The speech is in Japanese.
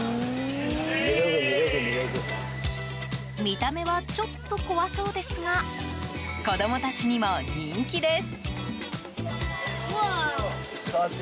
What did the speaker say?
見た目はちょっと怖そうですが子供たちにも人気です。